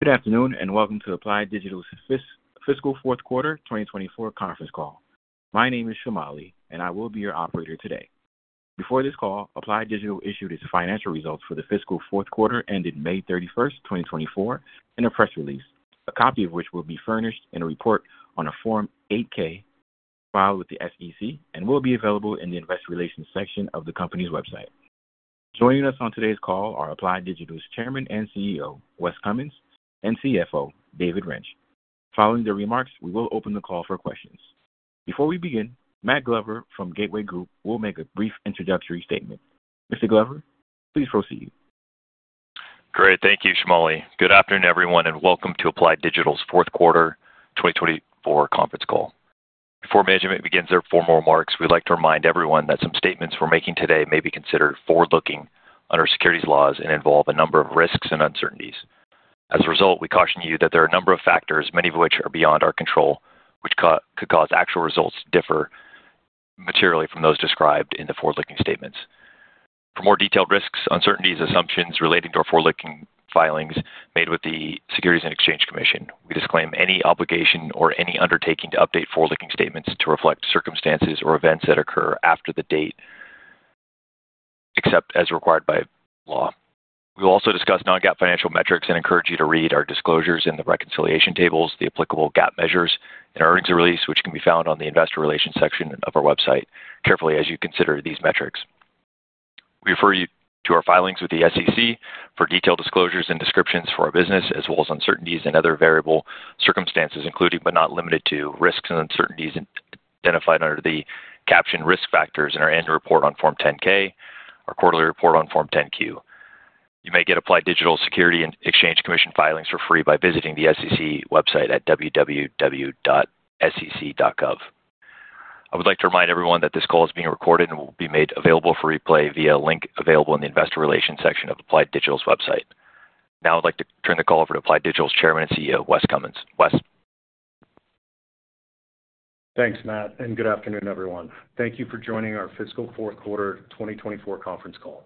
Good afternoon, and welcome to Applied Digital's fiscal fourth quarter 2024 conference call. My name is Shamali, and I will be your operator today. Before this call, Applied Digital issued its financial results for the fiscal fourth quarter, ending May 31st, 2024, in a press release, a copy of which will be furnished in a report on a Form 8-K filed with the SEC and will be available in the investor relations section of the company's website. Joining us on today's call are Applied Digital's Chairman and CEO, Wes Cummins, and CFO, David Rench. Following the remarks, we will open the call for questions. Before we begin, Matt Glover from Gateway Group will make a brief introductory statement. Mr. Glover, please proceed. Great. Thank you, Shamali. Good afternoon, everyone, and welcome to Applied Digital's fourth quarter 2024 conference call. Before management begins their formal remarks, we'd like to remind everyone that some statements we're making today may be considered forward-looking under securities laws and involve a number of risks and uncertainties. As a result, we caution you that there are a number of factors, many of which are beyond our control, which could cause actual results to differ materially from those described in the forward-looking statements. For more detailed risks, uncertainties, assumptions relating to our forward-looking filings made with the Securities and Exchange Commission, we disclaim any obligation or any undertaking to update forward-looking statements to reflect circumstances or events that occur after the date, except as required by law. We will also discuss non-GAAP financial metrics and encourage you to read our disclosures in the reconciliation tables, the applicable GAAP measures in our earnings release, which can be found on the investor relations section of our website, carefully as you consider these metrics. We refer you to our filings with the SEC for detailed disclosures and descriptions for our business, as well as uncertainties and other variable circumstances, including but not limited to, risks and uncertainties identified under the captioned risk factors in our annual report on Form 10-K, our quarterly report on Form 10-Q. You may get Applied Digital's Securities and Exchange Commission filings for free by visiting the SEC website at www.sec.gov. I would like to remind everyone that this call is being recorded and will be made available for replay via a link available in the investor relations section of Applied Digital's website. Now I'd like to turn the call over to Applied Digital's Chairman and CEO, Wes Cummins. Wes? Thanks, Matt, and good afternoon, everyone. Thank you for joining our fiscal fourth quarter 2024 conference call.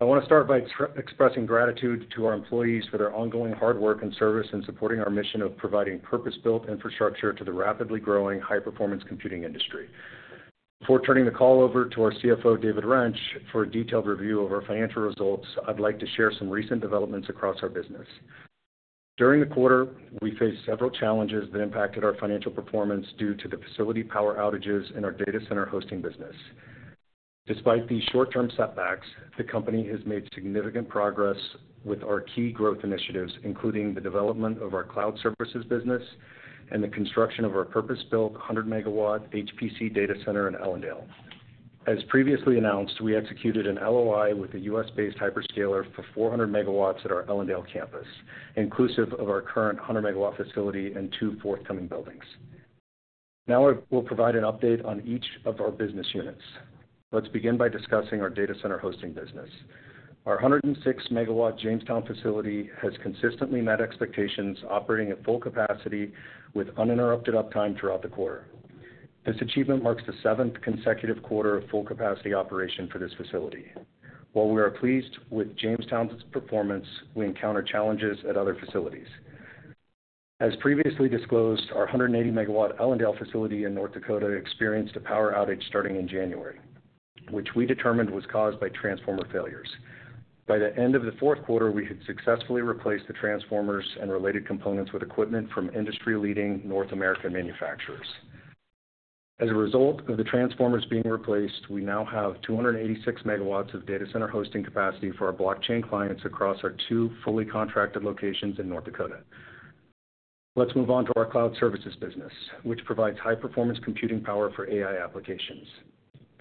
I want to start by expressing gratitude to our employees for their ongoing hard work and service in supporting our mission of providing purpose-built infrastructure to the rapidly growing high-performance computing industry. Before turning the call over to our CFO, David Rench, for a detailed review of our financial results, I'd like to share some recent developments across our business. During the quarter, we faced several challenges that impacted our financial performance due to the facility power outages in our data center hosting business. Despite these short-term setbacks, the company has made significant progress with our key growth initiatives, including the development of our cloud services business and the construction of our purpose-built 100 MW HPC data center in Ellendale. As previously announced, we executed an LOI with a U.S.-based hyperscaler for 400 MW at our Ellendale campus, inclusive of our current 100 MW facility and two forthcoming buildings. Now I will provide an update on each of our business units. Let's begin by discussing our data center hosting business. Our 106 MW Jamestown facility has consistently met expectations, operating at full capacity with uninterrupted uptime throughout the quarter. This achievement marks the seventh consecutive quarter of full capacity operation for this facility. While we are pleased with Jamestown's performance, we encounter challenges at other facilities. As previously disclosed, our 180 MW Ellendale facility in North Dakota experienced a power outage starting in January, which we determined was caused by transformer failures. By the end of the fourth quarter, we had successfully replaced the transformers and related components with equipment from industry-leading North American manufacturers. As a result of the transformers being replaced, we now have 286 MW of data center hosting capacity for our blockchain clients across our two fully contracted locations in North Dakota. Let's move on to our cloud services business, which provides high-performance computing power for AI applications.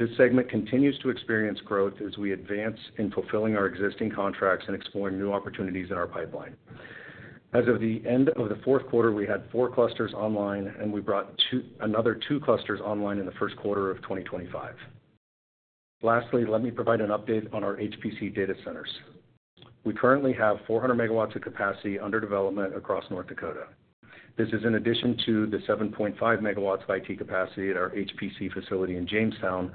This segment continues to experience growth as we advance in fulfilling our existing contracts and exploring new opportunities in our pipeline. As of the end of the fourth quarter, we had four clusters online, and we brought two, another two clusters online in the first quarter of 2025. Lastly, let me provide an update on our HPC data centers. We currently have 400 MW of capacity under development across North Dakota. This is in addition to the 7.5 MW of IT capacity at our HPC facility in Jamestown,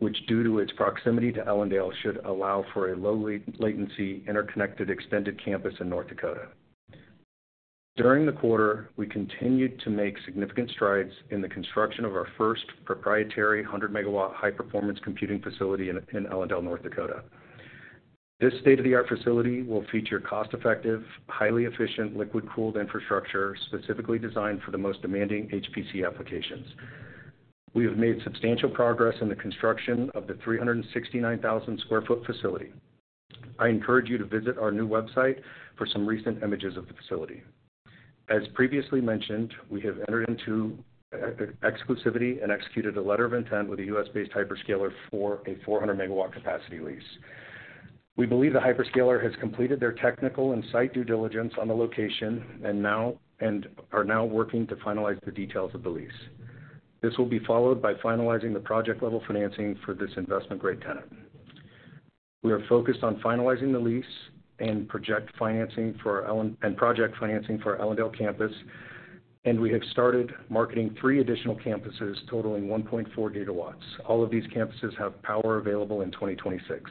which, due to its proximity to Ellendale, should allow for a low latency, interconnected, extended campus in North Dakota. During the quarter, we continued to make significant strides in the construction of our first proprietary 100 MW high-performance computing facility in Ellendale, North Dakota. This state-of-the-art facility will feature cost-effective, highly efficient, liquid-cooled infrastructure, specifically designed for the most demanding HPC applications. We have made substantial progress in the construction of the 369,000 sq ft facility. I encourage you to visit our new website for some recent images of the facility. As previously mentioned, we have entered into exclusivity and executed a letter of intent with a U.S.-based hyperscaler for a 400 MW capacity lease. We believe the hyperscaler has completed their technical and site due diligence on the location and are now working to finalize the details of the lease. This will be followed by finalizing the project-level financing for this investment-grade tenant. We are focused on finalizing the lease and project financing for our Ellendale campus, and we have started marketing three additional campuses totaling 1.4 GW. All of these campuses have power available in 2026.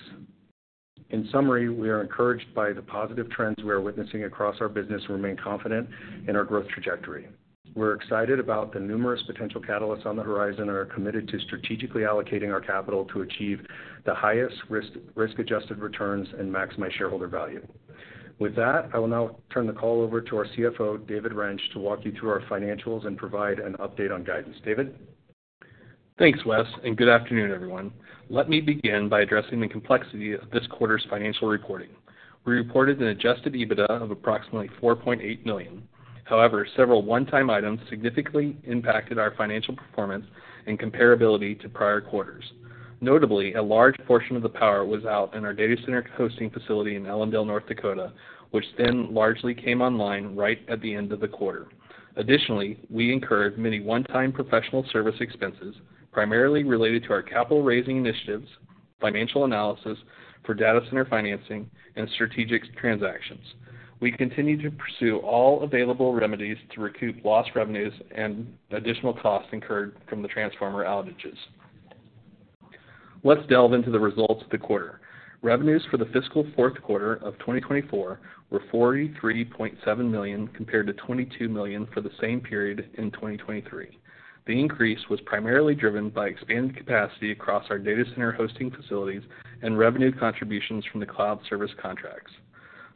In summary, we are encouraged by the positive trends we are witnessing across our business and remain confident in our growth trajectory. We're excited about the numerous potential catalysts on the horizon, and are committed to strategically allocating our capital to achieve the highest risk-adjusted returns and maximize shareholder value. With that, I will now turn the call over to our CFO, David Rench, to walk you through our financials and provide an update on guidance. David? Thanks, Wes, and good afternoon, everyone. Let me begin by addressing the complexity of this quarter's financial reporting. We reported an adjusted EBITDA of approximately $4.8 million. However, several one-time items significantly impacted our financial performance and comparability to prior quarters. Notably, a large portion of the power was out in our data center hosting facility in Ellendale, North Dakota, which then largely came online right at the end of the quarter. Additionally, we incurred many one-time professional service expenses, primarily related to our capital raising initiatives, financial analysis for data center financing, and strategic transactions. We continue to pursue all available remedies to recoup lost revenues and additional costs incurred from the transformer outages. Let's delve into the results of the quarter. Revenues for the fiscal fourth quarter of 2024 were $43.7 million, compared to $22 million for the same period in 2023. The increase was primarily driven by expanded capacity across our data center hosting facilities and revenue contributions from the cloud service contracts.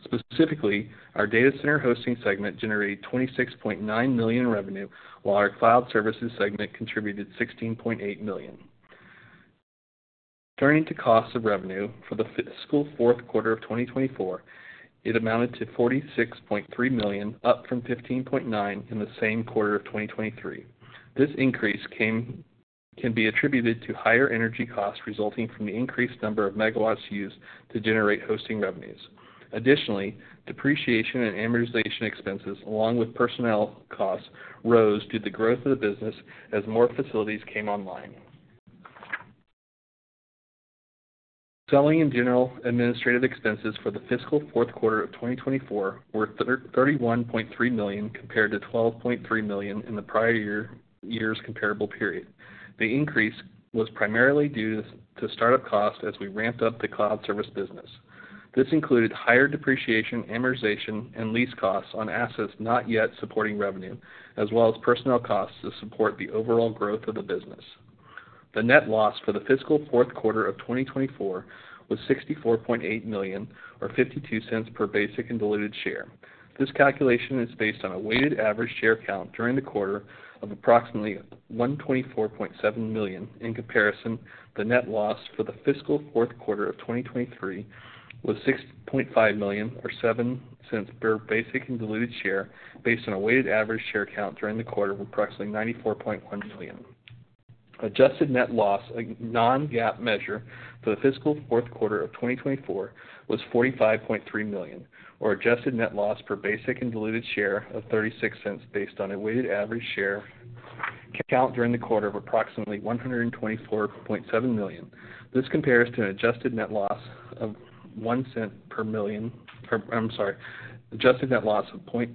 Specifically, our data center hosting segment generated $26.9 million in revenue, while our cloud services segment contributed $16.8 million. Turning to cost of revenue for the fiscal fourth quarter of 2024, it amounted to $46.3 million, up from $15.9 million in the same quarter of 2023. This increase can be attributed to higher energy costs resulting from the increased number of megawatts used to generate hosting revenues. Additionally, depreciation and amortization expenses, along with personnel costs, rose due to the growth of the business as more facilities came online. Selling and general administrative expenses for the fiscal fourth quarter of 2024 were $31.3 million, compared to $12.3 million in the prior year's comparable period. The increase was primarily due to startup costs as we ramped up the cloud service business. This included higher depreciation, amortization, and lease costs on assets not yet supporting revenue, as well as personnel costs to support the overall growth of the business. The net loss for the fiscal fourth quarter of 2024 was $64.8 million, or $0.52 per basic and diluted share. This calculation is based on a weighted average share count during the quarter of approximately 124.7 million. In comparison, the net loss for the fiscal fourth quarter of 2023 was $6.5 million, or $0.07 per basic and diluted share, based on a weighted average share count during the quarter of approximately 94.1 million. Adjusted net loss, a non-GAAP measure for the fiscal fourth quarter of 2024, was $45.3 million, or adjusted net loss per basic and diluted share of $0.36, based on a weighted average share count during the quarter of approximately 124.7 million. This compares to an adjusted net loss of $0.01 per million or I'm sorry, adjusted net loss of $100,000,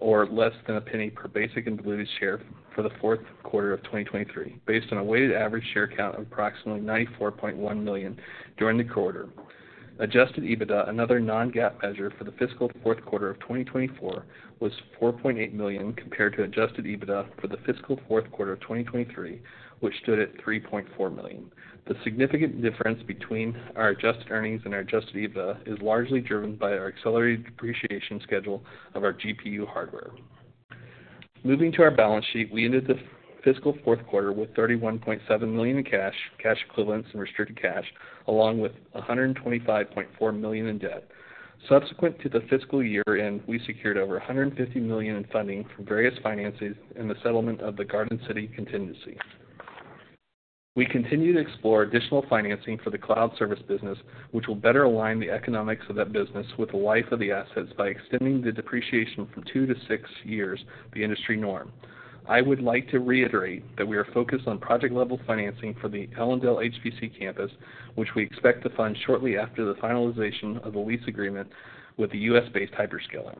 or less than $0.01 per basic and diluted share for the fourth quarter of 2023, based on a weighted average share count of approximately 94.1 million during the quarter. Adjusted EBITDA, another non-GAAP measure for the fiscal fourth quarter of 2024, was $4.8 million, compared to adjusted EBITDA for the fiscal fourth quarter of 2023, which stood at $3.4 million. The significant difference between our adjusted earnings and our adjusted EBITDA is largely driven by our accelerated depreciation schedule of our GPU hardware. Moving to our balance sheet, we ended the fiscal fourth quarter with $31.7 million in cash, cash equivalents, and restricted cash, along with $125.4 million in debt. Subsequent to the fiscal year end, we secured over $150 million in funding from various financings in the settlement of the Garden City contingency. We continue to explore additional financing for the cloud service business, which will better align the economics of that business with the life of the assets by extending the depreciation from two to six years, the industry norm. I would like to reiterate that we are focused on project-level financing for the Ellendale HPC campus, which we expect to fund shortly after the finalization of a lease agreement with the U.S.-based hyperscaler.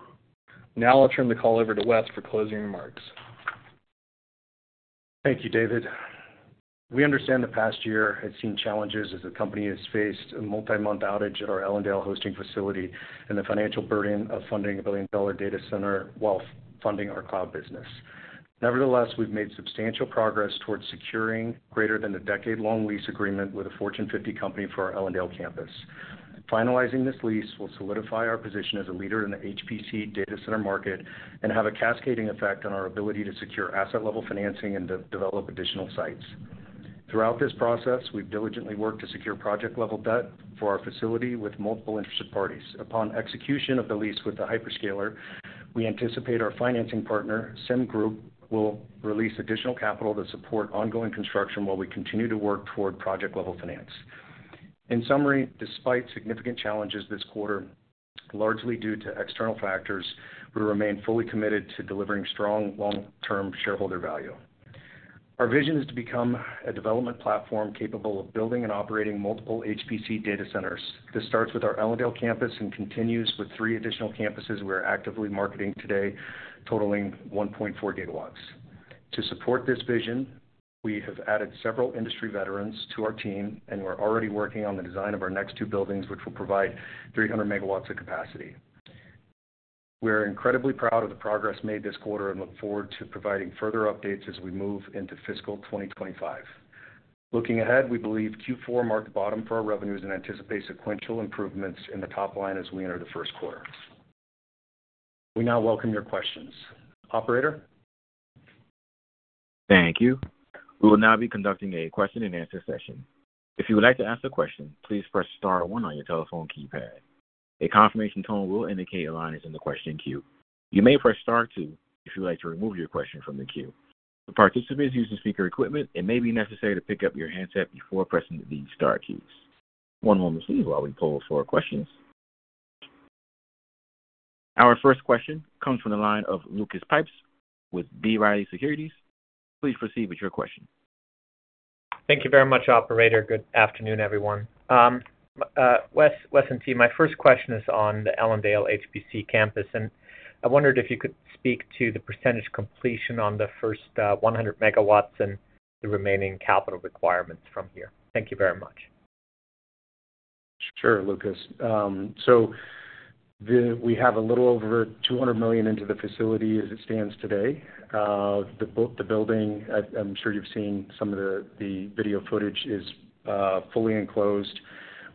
Now I'll turn the call over to Wes for closing remarks. Thank you, David. We understand the past year has seen challenges as the company has faced a multi-month outage at our Ellendale hosting facility and the financial burden of funding a billion-dollar data center while funding our cloud business. Nevertheless, we've made substantial progress towards securing greater than a decade-long lease agreement with a Fortune 50 company for our Ellendale campus. Finalizing this lease will solidify our position as a leader in the HPC data center market and have a cascading effect on our ability to secure asset-level financing and develop additional sites. Throughout this process, we've diligently worked to secure project-level debt for our facility with multiple interested parties. Upon execution of the lease with the hyperscaler, we anticipate our financing partner, CIM Group, will release additional capital to support ongoing construction while we continue to work toward project-level finance. In summary, despite significant challenges this quarter, largely due to external factors, we remain fully committed to delivering strong long-term shareholder value. Our vision is to become a development platform capable of building and operating multiple HPC data centers. This starts with our Ellendale campus and continues with three additional campuses we are actively marketing today, totaling 1.4 GW. To support this vision, we have added several industry veterans to our team, and we're already working on the design of our next two buildings, which will provide 300 MW of capacity. We're incredibly proud of the progress made this quarter and look forward to providing further updates as we move into fiscal 2025. Looking ahead, we believe Q4 marked bottom for our revenues and anticipate sequential improvements in the top line as we enter the first quarter. We now welcome your questions. Operator? Thank you. We will now be conducting a question-and-answer session. If you would like to ask a question, please press star one on your telephone keypad. A confirmation tone will indicate your line is in the question queue. You may press star two if you'd like to remove your question from the queue. For participants using speaker equipment, it may be necessary to pick up your handset before pressing the star keys. One moment please, while we pull for questions. Our first question comes from the line of Lucas Pipes with B. Riley Securities. Please proceed with your question. Thank you very much, operator. Good afternoon, everyone. Wes and team, my first question is on the Ellendale HPC campus, and I wondered if you could speak to the percentage completion on the first 100 MW and the remaining capital requirements from here. Thank you very much. Sure, Lucas. So the—we have a little over $200 million into the facility as it stands today. The building, I'm sure you've seen some of the video footage, is fully enclosed.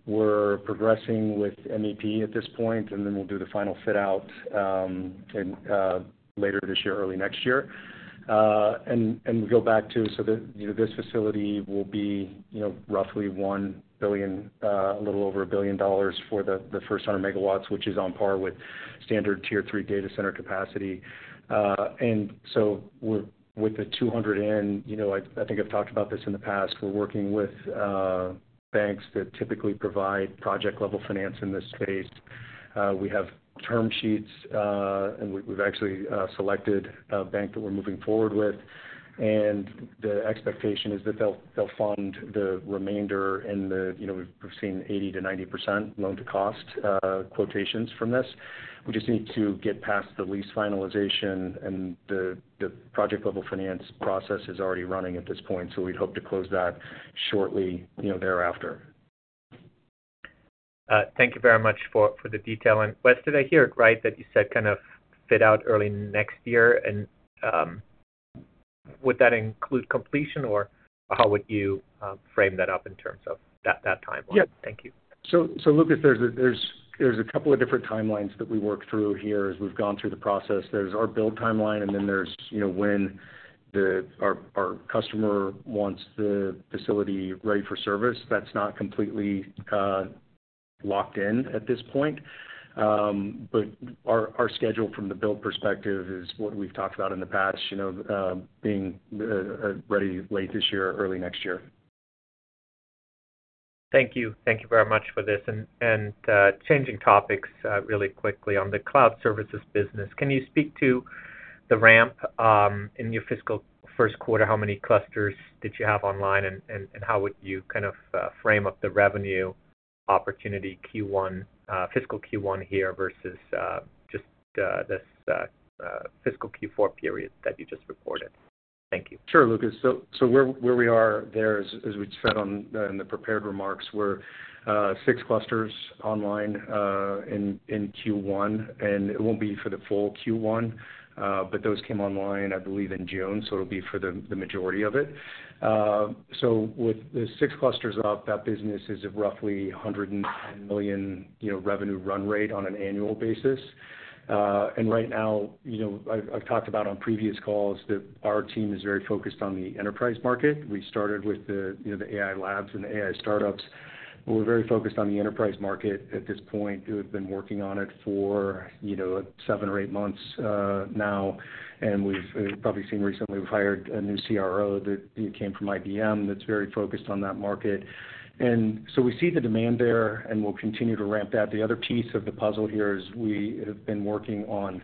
We're progressing with MEP at this point, and then we'll do the final fit out in later this year, early next year. And so the, you know, this facility will be, you know, roughly $1 billion, a little over $1 billion for the first 100 MW, which is on par with standard Tier III data center capacity. And so with the $200 million in, you know, I think I've talked about this in the past. We're working with banks that typically provide project-level finance in this space. We have term sheets, and we've actually selected a bank that we're moving forward with, and the expectation is that they'll fund the remainder in the... You know, we've seen 80%-90% loan-to-cost quotations from this. We just need to get past the lease finalization, and the project-level finance process is already running at this point, so we'd hope to close that shortly, you know, thereafter. Thank you very much for the detail. And Wes, did I hear it right, that you said kind of fit out early next year? And, would that include completion, or how would you frame that up in terms of that timeline? Yeah. Thank you. Lucas, there's a couple of different timelines that we worked through here as we've gone through the process. There's our build timeline, and then there's, you know, when our customer wants the facility ready for service. That's not completely locked in at this point. But our schedule from the build perspective is what we've talked about in the past, you know, being ready late this year or early next year. Thank you. Thank you very much for this. And changing topics really quickly on the cloud services business, can you speak to the ramp in your fiscal first quarter? How many clusters did you have online, and how would you kind of frame up the revenue opportunity Q1 fiscal Q1 here versus just fiscal Q4 period that you just reported? Thank you. Sure, Lucas. So where we are there is, as we said on in the prepared remarks, we're six clusters online in Q1, and it won't be for the full Q1, but those came online, I believe, in June, so it'll be for the majority of it. So with the six clusters up, that business is of roughly $100 million, you know, revenue run rate on an annual basis. And right now, you know, I've talked about on previous calls that our team is very focused on the enterprise market. We started with the, you know, the AI labs and the AI startups, but we're very focused on the enterprise market at this point. We have been working on it for, you know, seven or eight months, now, and we've probably seen recently, we've hired a new CRO that came from IBM, that's very focused on that market. And so we see the demand there, and we'll continue to ramp that. The other piece of the puzzle here is we have been working on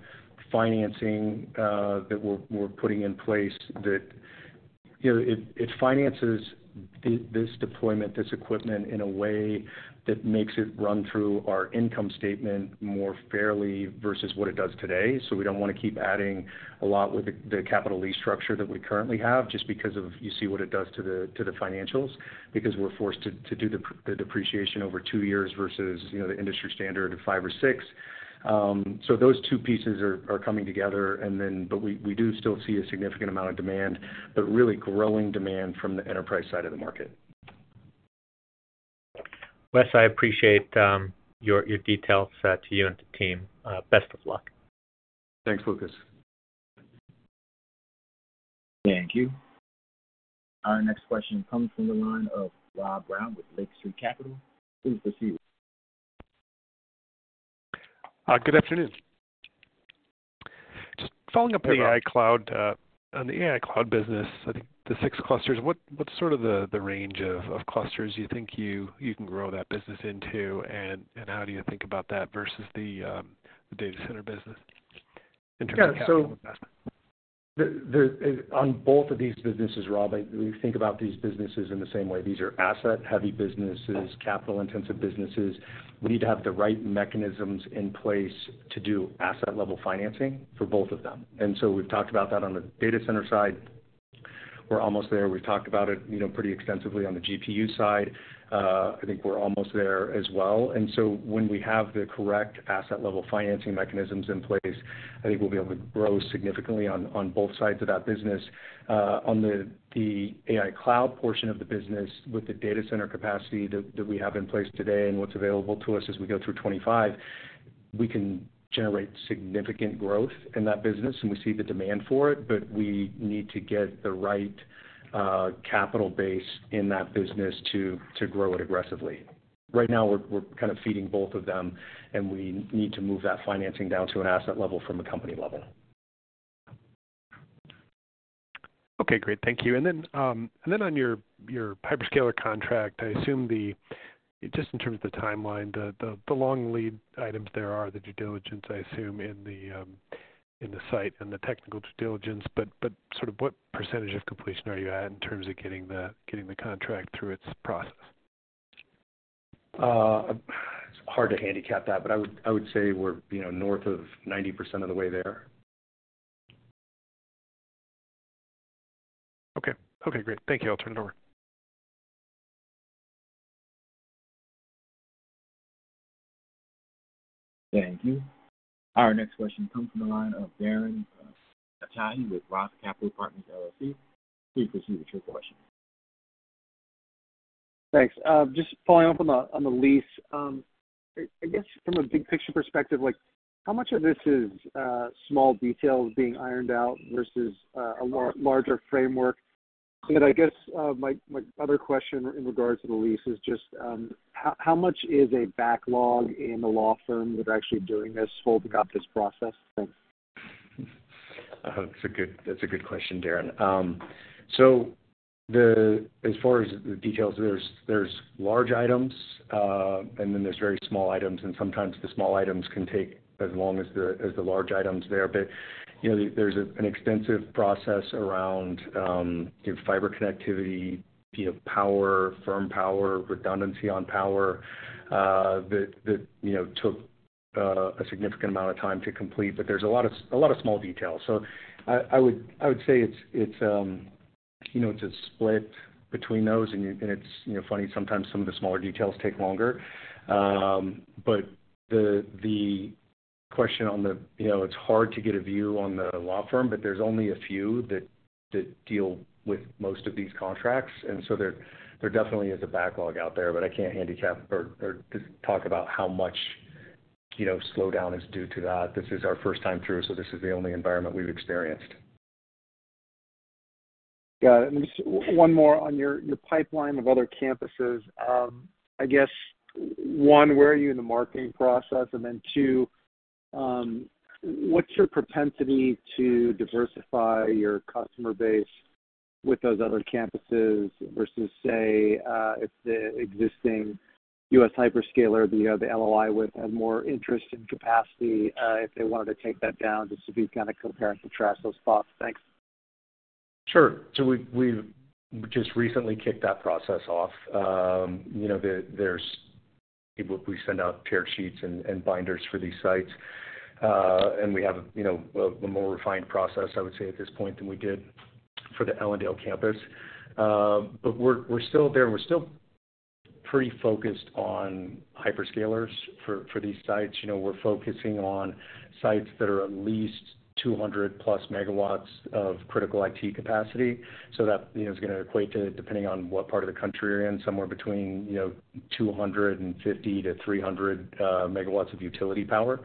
financing that we're putting in place that, you know, it finances this deployment, this equipment in a way that makes it run through our income statement more fairly versus what it does today. So we don't want to keep adding a lot with the capital lease structure that we currently have, just because of... You see what it does to the financials, because we're forced to do the depreciation over two years versus, you know, the industry standard of five or six. So those two pieces are coming together, and then, but we do still see a significant amount of demand, but really growing demand from the enterprise side of the market. Wes, I appreciate your details to you and the team. Best of luck. Thanks, Lucas. Thank you. Our next question comes from the line of Rob Brown with Lake Street Capital Markets. Please proceed. Good afternoon. Just following up the AI cloud, on the AI cloud business, I think the six clusters, what's sort of the range of clusters you think you can grow that business into, and how do you think about that versus the data center business?... Yeah, so the on both of these businesses, Rob, we think about these businesses in the same way. These are asset-heavy businesses, capital-intensive businesses. We need to have the right mechanisms in place to do asset-level financing for both of them. And so we've talked about that on the data center side. We're almost there. We've talked about it, you know, pretty extensively on the GPU side. I think we're almost there as well. And so when we have the correct asset-level financing mechanisms in place, I think we'll be able to grow significantly on both sides of that business. On the AI cloud portion of the business, with the data center capacity that we have in place today and what's available to us as we go through 2025, we can generate significant growth in that business, and we see the demand for it, but we need to get the right capital base in that business to grow it aggressively. Right now, we're kind of feeding both of them, and we need to move that financing down to an asset level from a company level. Okay, great. Thank you. And then on your hyperscaler contract, I assume the... Just in terms of the timeline, the long lead items there are the due diligence, I assume, in the site and the technical due diligence. But sort of what percentage of completion are you at in terms of getting the contract through its process? It's hard to handicap that, but I would, I would say we're, you know, north of 90% of the way there. Okay. Okay, great. Thank you. I'll turn it over. Thank you. Our next question comes from the line of Darren Aftahi with Roth Capital Partners. Please proceed with your question. Thanks. Just following up on the, on the lease. I guess from a big picture perspective, like, how much of this is small details being ironed out versus a larger framework? And then I guess my other question in regards to the lease is just how much is a backlog in the law firm that's actually doing this holding up this process? Thanks. That's a good, that's a good question, Darren. So as far as the details, there's large items, and then there's very small items, and sometimes the small items can take as long as the large items there. But you know, there's an extensive process around you know, fiber connectivity, you know, power, firm power, redundancy on power, that you know, took a significant amount of time to complete. But there's a lot of small details. So I would say it's you know, it's a split between those, and you and it's you know, funny, sometimes some of the smaller details take longer. But the question on the... You know, it's hard to get a view on the law firm, but there's only a few that deal with most of these contracts, and so there definitely is a backlog out there, but I can't handicap or just talk about how much, you know, slowdown is due to that. This is our first time through, so this is the only environment we've experienced. Got it. And just one more on your pipeline of other campuses. I guess, one, where are you in the marketing process? And then, two, what's your propensity to diversify your customer base with those other campuses versus, say, if the existing U.S. hyperscaler, you know, the LOI with, had more interest in capacity, if they wanted to take that down, just to be kinda compare and contrast those thoughts? Thanks. Sure. So we've just recently kicked that process off. You know, there's people. We send out tear sheets and binders for these sites. And we have, you know, a more refined process, I would say, at this point than we did for the Ellendale campus. But we're still there. We're still pretty focused on hyperscalers for these sites. You know, we're focusing on sites that are at least 200+ MW of critical IT capacity, so that, you know, is gonna equate to, depending on what part of the country you're in, somewhere between, you know, 250 MW-300 MW of utility power.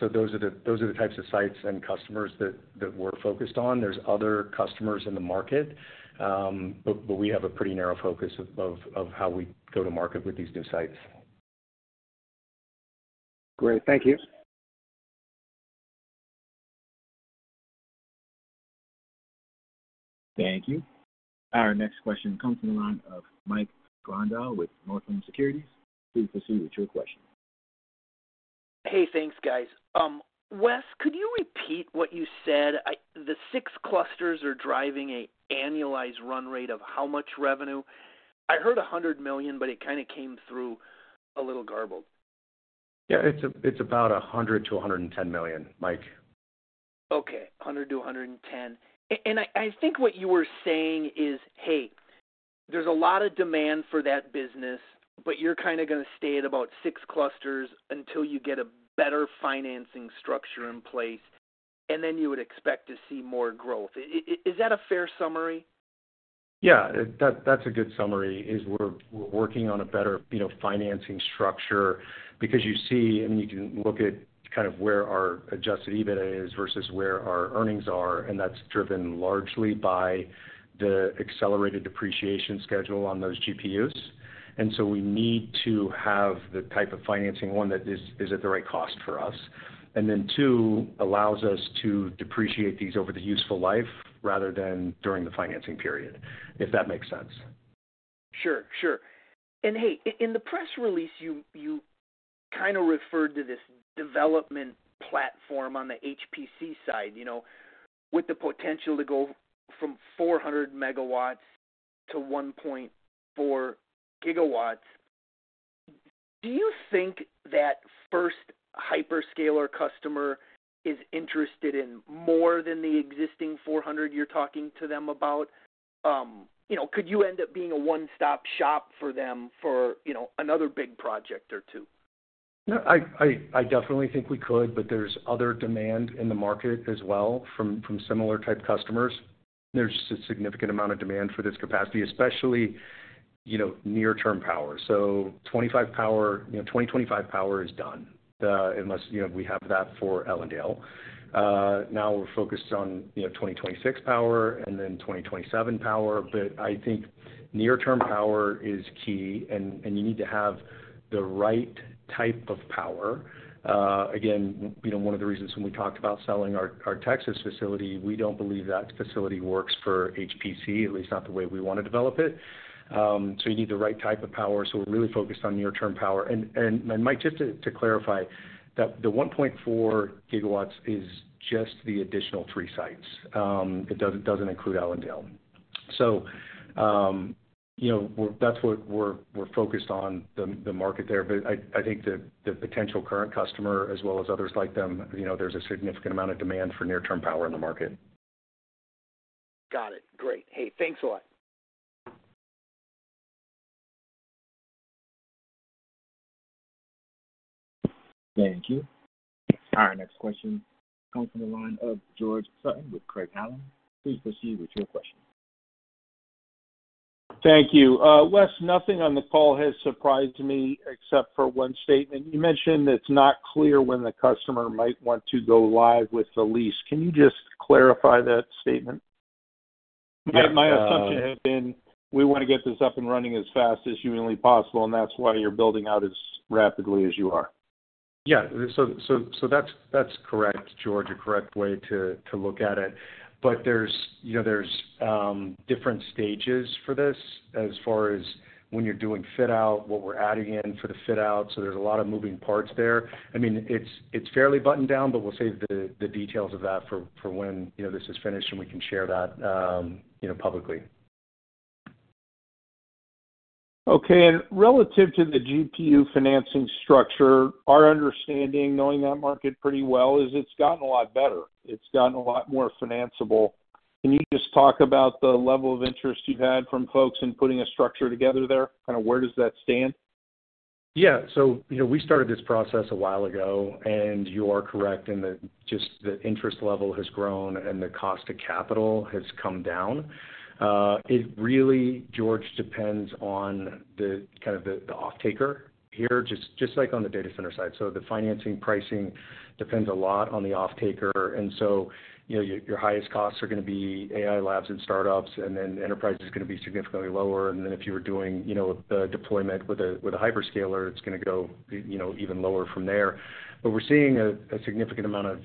So those are the types of sites and customers that we're focused on. There's other customers in the market, but we have a pretty narrow focus of how we go to market with these new sites. Great. Thank you. Thank you. Our next question comes from the line of Mike Grondahl with Northland Securities. Please proceed with your question. Hey, thanks, guys. Wes, could you repeat what you said? The six clusters are driving an annualized run rate of how much revenue? I heard $100 million, but it kinda came through a little garbled. Yeah, it's about $100 million-$110 million, Mike. Okay, $100 million to $110 million. And I think what you were saying is, hey, there's a lot of demand for that business, but you're kinda gonna stay at about six clusters until you get a better financing structure in place, and then you would expect to see more growth. Is that a fair summary? Yeah, that's a good summary. We're working on a better, you know, financing structure because you see... I mean, you can look at kind of where our adjusted EBITDA is versus where our earnings are, and that's driven largely by the accelerated depreciation schedule on those GPUs. And so we need to have the type of financing, one, that is at the right cost for us, and then, two, allows us to depreciate these over the useful life rather than during the financing period, if that makes sense.... Sure, sure. And hey, in the press release, you, you kind of referred to this development platform on the HPC side, you know, with the potential to go from 400 MW to 1.4 GW. Do you think that first hyperscaler customer is interested in more than the existing 400 MW you're talking to them about? You know, could you end up being a one-stop shop for them for, you know, another big project or two? No, I definitely think we could, but there's other demand in the market as well from similar type customers. There's a significant amount of demand for this capacity, especially, you know, near-term power. So 2025 power, you know, 2025 power is done, unless, you know, we have that for Ellendale. Now we're focused on, you know, 2026 power and then 2027 power, but I think near-term power is key, and you need to have the right type of power. Again, you know, one of the reasons when we talked about selling our Texas facility, we don't believe that facility works for HPC, at least not the way we want to develop it. So you need the right type of power, so we're really focused on near-term power. Mike, just to clarify, that the 1.4 GW is just the additional three sites. It doesn't include Ellendale. So, you know, that's what we're focused on the market there. But I think the potential current customer, as well as others like them, you know, there's a significant amount of demand for near-term power in the market. Got it. Great. Hey, thanks a lot. Thank you. Our next question comes from the line of George Sutton with Craig-Hallum. Please proceed with your question. Thank you. Wes, nothing on the call has surprised me except for one statement. You mentioned it's not clear when the customer might want to go live with the lease. Can you just clarify that statement? Yeah, uh- My assumption had been, we want to get this up and running as fast as humanly possible, and that's why you're building out as rapidly as you are. Yeah. So that's correct, George, a correct way to look at it. But there's, you know, different stages for this as far as when you're doing fit-out, what we're adding in for the fit-out, so there's a lot of moving parts there. I mean, it's fairly buttoned down, but we'll save the details of that for when, you know, this is finished, and we can share that, you know, publicly. Okay. And relative to the GPU financing structure, our understanding, knowing that market pretty well, is it's gotten a lot better. It's gotten a lot more financiable. Can you just talk about the level of interest you've had from folks in putting a structure together there? Kinda where does that stand? Yeah. So, you know, we started this process a while ago, and you are correct in that just the interest level has grown and the cost of capital has come down. It really, George, depends on the kind of the offtaker here, just like on the data center side. So the financing pricing depends a lot on the offtaker, and so, you know, your highest costs are gonna be AI labs and startups, and then enterprise is gonna be significantly lower. And then if you were doing, you know, the deployment with a hyperscaler, it's gonna go, you know, even lower from there. But we're seeing a significant amount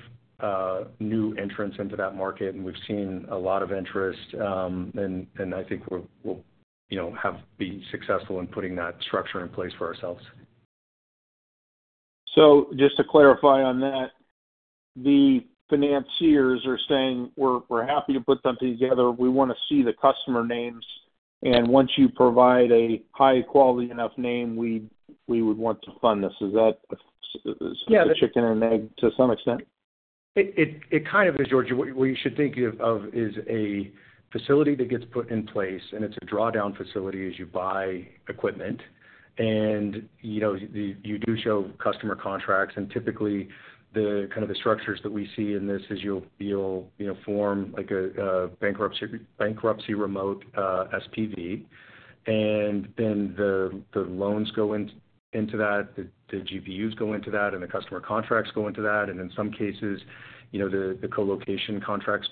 of new entrants into that market, and we've seen a lot of interest, and I think we'll, you know, have be successful in putting that structure in place for ourselves. So just to clarify on that, the financiers are saying, "We're happy to put something together. We wanna see the customer names, and once you provide a high quality enough name, we would want to fund this." Is that- Yeah. Chicken and egg to some extent? It kind of is, George. What you should think of is a facility that gets put in place, and it's a drawdown facility as you buy equipment, and you know, you do show customer contracts, and typically, the kind of structures that we see in this is you'll, you know, form like a bankruptcy remote SPV, and then the loans go into that, the GPUs go into that, and the customer contracts go into that, and in some cases, you know, the colocation contracts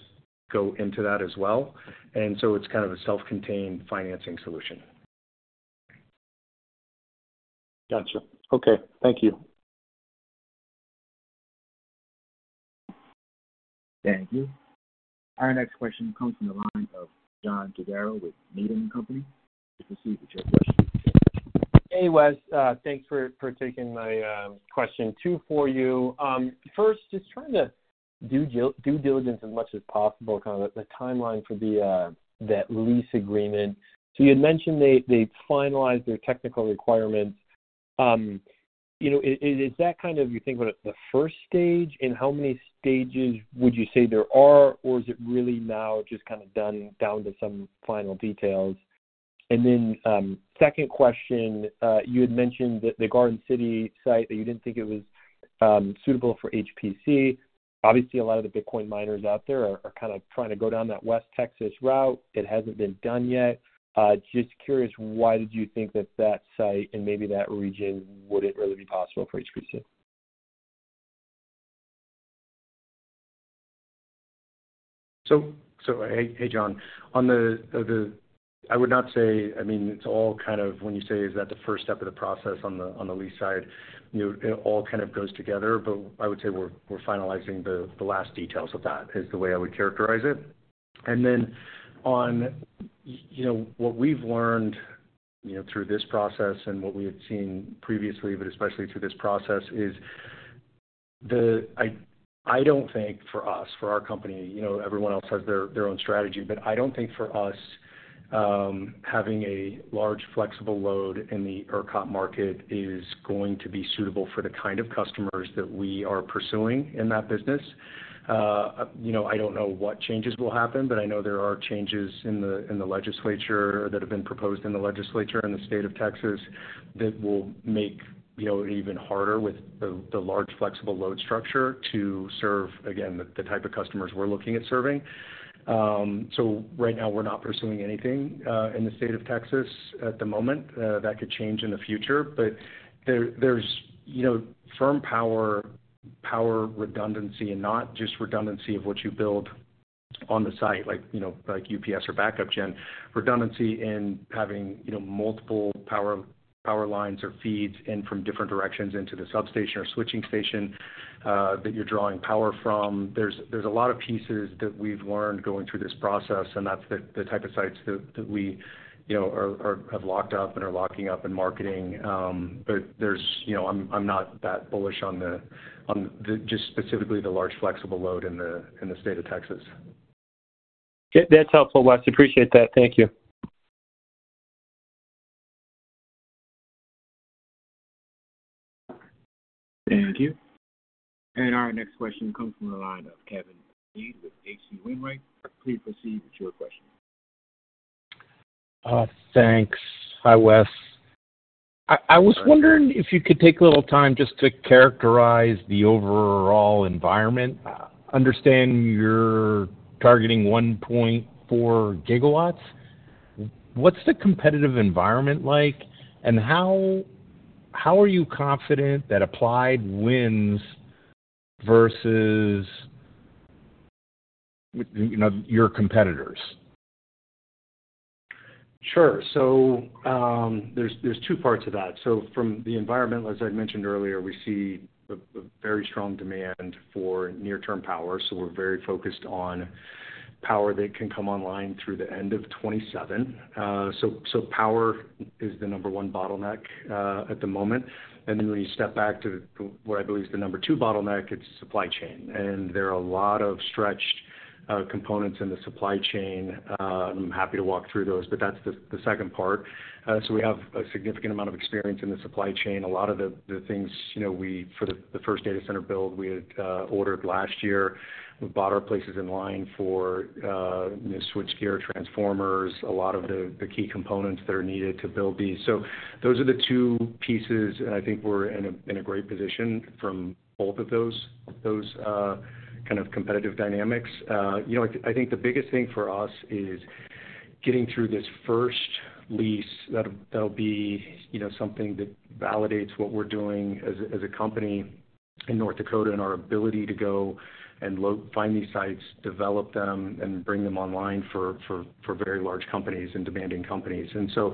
go into that as well. And so it's kind of a self-contained financing solution. Gotcha. Okay, thank you. Thank you. Our next question comes from the line of John Todaro with Needham & Company. Please proceed with your question. Hey, Wes. Thanks for taking my question. Two for you. First, just trying to do due diligence as much as possible, kind of the timeline for that lease agreement. So you had mentioned they finalized their technical requirements. You know, is that kind of you think about it, the first stage? And how many stages would you say there are, or is it really now just kind of done down to some final details? And then, second question, you had mentioned that the Garden City site, that you didn't think it was suitable for HPC. Obviously, a lot of the Bitcoin miners out there are kind of trying to go down that West Texas route. It hasn't been done yet. Just curious, why did you think that that site and maybe that region wouldn't really be possible for HPC? So hey, John. On the. I would not say. I mean, it's all kind of when you say is that the first step of the process on the lease side, you know, it all kind of goes together. But I would say we're finalizing the last details of that, is the way I would characterize it. And then on what we've learned, you know, through this process and what we had seen previously, but especially through this process, is I don't think for us, for our company, you know, everyone else has their own strategy. But I don't think for us having a large flexible load in the ERCOT market is going to be suitable for the kind of customers that we are pursuing in that business. You know, I don't know what changes will happen, but I know there are changes in the legislature that have been proposed in the legislature, in the state of Texas, that will make, you know, it even harder with the large flexible load structure to serve, again, the type of customers we're looking at serving. So right now, we're not pursuing anything in the state of Texas at the moment. That could change in the future, but there's, you know, firm power redundancy, and not just redundancy of what you build on the site, like, you know, like UPS or backup gen. Redundancy in having, you know, multiple power lines or feeds in from different directions into the substation or switching station that you're drawing power from. There's a lot of pieces that we've learned going through this process, and that's the type of sites that we, you know, have locked up and are locking up in marketing. But you know, I'm not that bullish on just specifically the large flexible load in the state of Texas. That's helpful, Wes. Appreciate that. Thank you. Thank you. And our next question comes from the line of Kevin Dede with H.C. Wainwright & Co. Please proceed with your question. Thanks. Hi, Wes. I was wondering if you could take a little time just to characterize the overall environment. I understand you're targeting 1.4 GW. What's the competitive environment like, and how are you confident that Applied wins versus, you know, your competitors? Sure. So there's two parts to that. So from the environment, as I mentioned earlier, we see a very strong demand for near-term power, so we're very focused on power that can come online through the end of 2027. So power is the number one bottleneck at the moment. And then when you step back to what I believe is the number two bottleneck, it's supply chain. And there are a lot of stretched components in the supply chain. I'm happy to walk through those, but that's the second part. So we have a significant amount of experience in the supply chain. A lot of the things, you know, we for the first data center build we had ordered last year. We bought our places in line for you know, switchgear, transformers, a lot of the key components that are needed to build these. So those are the two pieces, and I think we're in a great position from both of those kind of competitive dynamics. You know, I think the biggest thing for us is getting through this first lease. That'll be you know, something that validates what we're doing as a company in North Dakota, and our ability to go and find these sites, develop them, and bring them online for very large companies and demanding companies. And so,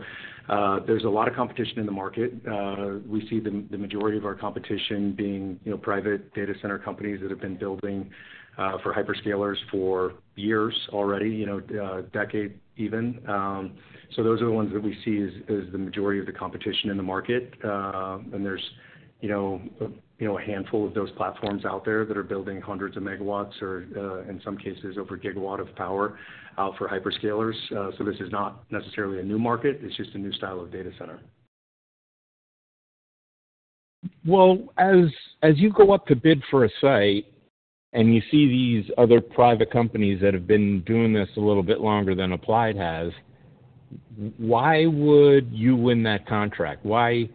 there's a lot of competition in the market. We see the majority of our competition being, you know, private data center companies that have been building for hyperscalers for years already, you know, decade even. So those are the ones that we see as the majority of the competition in the market. And there's, you know, a handful of those platforms out there that are building hundreds of megawatts or, in some cases, over a gigawatt of power for hyperscalers. So this is not necessarily a new market, it's just a new style of data center. As you go up to bid for a site and you see these other private companies that have been doing this a little bit longer than Applied has, why would you win that contract? Why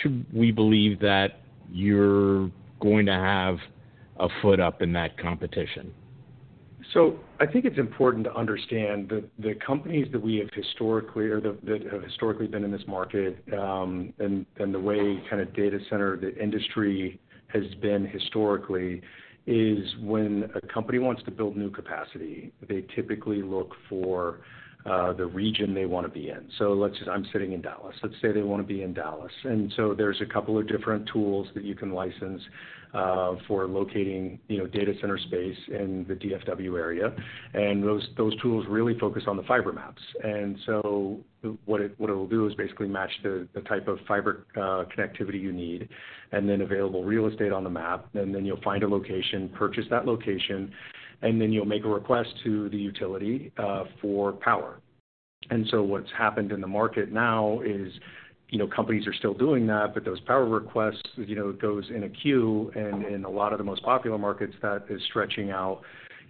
should we believe that you're going to have a foot up in that competition? So I think it's important to understand the companies that we have historically or that have historically been in this market, and the way kind of data center the industry has been historically, is when a company wants to build new capacity, they typically look for the region they want to be in. So let's just. I'm sitting in Dallas. Let's say they want to be in Dallas. And so there's a couple of different tools that you can license for locating, you know, data center space in the DFW area. And those tools really focus on the fiber maps. And so what it what it'll do is basically match the type of fiber connectivity you need and then available real estate on the map. And then you'll find a location, purchase that location, and then you'll make a request to the utility for power. And so what's happened in the market now is, you know, companies are still doing that, but those power requests, you know, goes in a queue, and in a lot of the most popular markets, that is stretching out,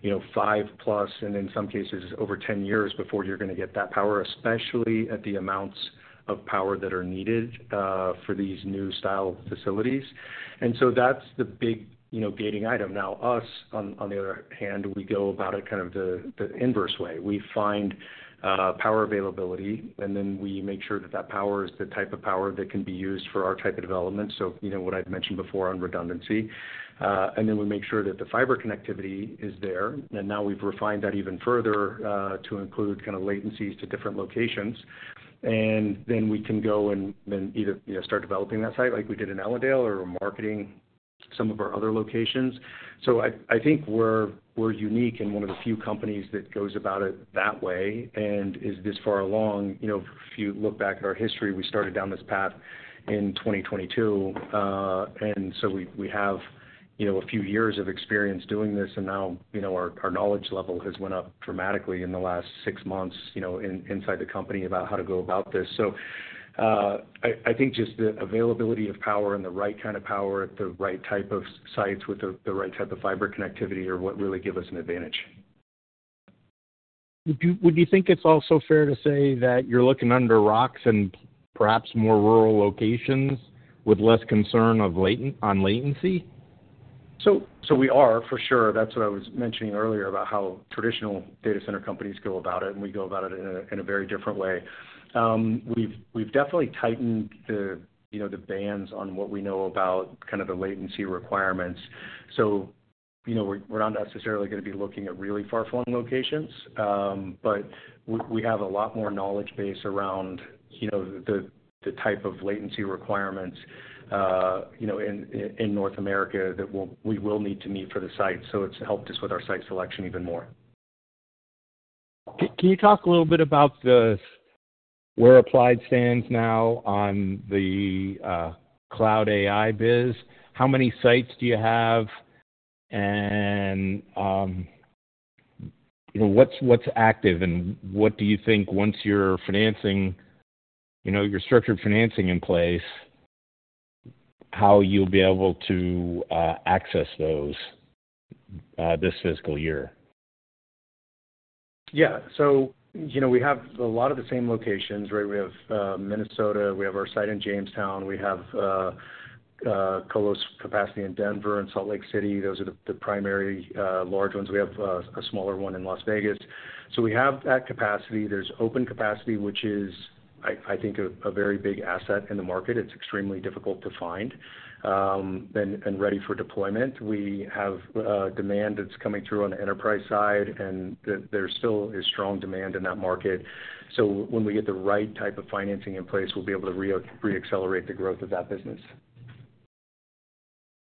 you know, five-plus, and in some cases, over ten years before you're going to get that power, especially at the amounts of power that are needed for these new style facilities. And so that's the big, you know, gating item. Now, us on the other hand, we go about it kind of the inverse way. We find power availability, and then we make sure that that power is the type of power that can be used for our type of development. You know what I've mentioned before on redundancy. And then we make sure that the fiber connectivity is there, and now we've refined that even further, to include kind of latencies to different locations. And then we can go and then either, you know, start developing that site, like we did in Ellendale, or marketing some of our other locations. I think we're unique and one of the few companies that goes about it that way and is this far along. You know, if you look back at our history, we started down this path in 2022, and so we have, you know, a few years of experience doing this, and now, you know, our knowledge level has went up dramatically in the last six months, you know, inside the company about how to go about this. I think just the availability of power and the right kind of power at the right type of sites with the right type of fiber connectivity are what really give us an advantage. Would you think it's also fair to say that you're looking under rocks and perhaps more rural locations with less concern of latency on latency? So we are, for sure. That's what I was mentioning earlier about how traditional data center companies go about it, and we go about it in a very different way. We've definitely tightened the, you know, the bands on what we know about kind of the latency requirements. So, you know, we're not necessarily gonna be looking at really far-flung locations, but we have a lot more knowledge base around, you know, the, the type of latency requirements, you know, in North America that we will need to meet for the site, so it's helped us with our site selection even more. Can you talk a little bit about where Applied stands now on the cloud AI biz? How many sites do you have, and you know, what's active, and what do you think once your financing, you know, your structured financing in place, how you'll be able to access those this fiscal year? Yeah. So, you know, we have a lot of the same locations, right? We have Minnesota, we have our site in Jamestown. We have co-lo capacity in Denver and Salt Lake City. Those are the primary large ones. We have a smaller one in Las Vegas. So we have that capacity. There's open capacity, which is, I think, a very big asset in the market. It's extremely difficult to find and ready for deployment. We have demand that's coming through on the enterprise side, and there still is strong demand in that market. So when we get the right type of financing in place, we'll be able to reaccelerate the growth of that business.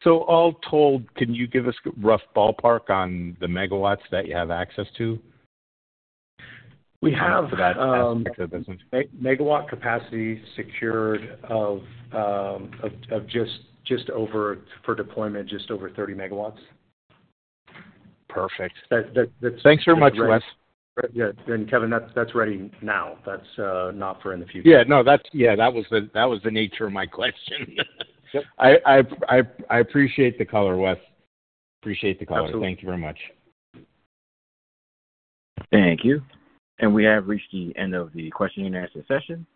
So all told, can you give us a rough ballpark on the megawatts that you have access to? We have. For that aspect of the business.... megawatt capacity secured of just over 40 MW for deployment, just over 30 MW. Perfect. That's- Thanks very much, Wes. Yeah, and Kevin, that's ready now. That's not for in the future. Yeah. No, that's... Yeah, that was the nature of my question. Yep. I appreciate the color, Wes. Appreciate the color. Absolutely. Thank you very much. Thank you. And we have reached the end of the question and answer session.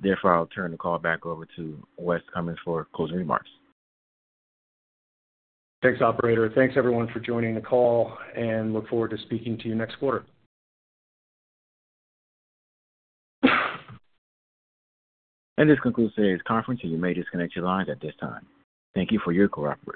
Therefore, I'll turn the call back over to Wes Cummins for closing remarks. Thanks, operator. Thanks everyone for joining the call, and look forward to speaking to you next quarter. This concludes today's conference, and you may disconnect your lines at this time. Thank you for your cooperation.